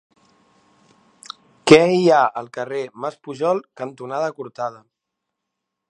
Què hi ha al carrer Mas Pujol cantonada Cortada?